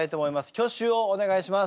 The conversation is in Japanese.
挙手をお願いします。